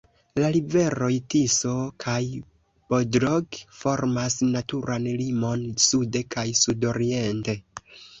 La riveroj Tiso kaj Bodrog formas naturan limon sude kaj sudoriente.